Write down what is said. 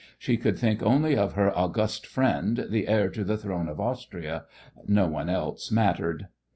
She could think only of her august friend, the heir to the throne of Austria; no one else mattered.